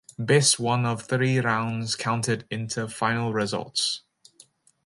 Best one of three rounds counted into final results.